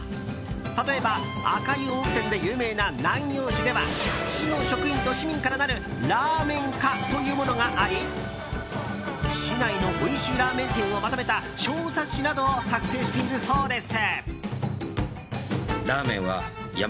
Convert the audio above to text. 例えば、赤湯温泉で有名な南陽市では市の職員と市民からなるラーメン課というものがあり市内のおいしいラーメン店をまとめた小冊子などを作成しているそうです。